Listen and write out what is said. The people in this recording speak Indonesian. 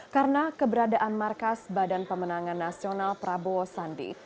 karena keberadaan markas badan pemenangan nasional prabowo sandi